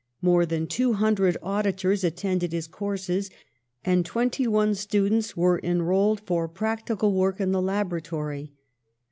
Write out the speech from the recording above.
More than two hundred auditors attended his courses, and twenty one students were enrolled for practi cal work in the laboratory.